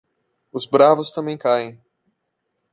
Os bravos também caem.